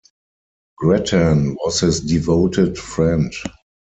Grattan was his devoted friend.